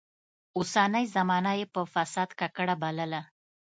اوسنۍ زمانه يې په فساد ککړه بلله.